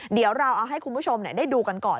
เดี๋ยวเราเอาให้คุณผู้ชมได้ดูกันก่อน